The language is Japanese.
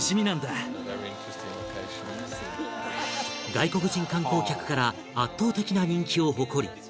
外国人観光客から圧倒的な人気を誇り